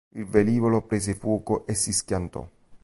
Il velivolo prese fuoco e si schiantò.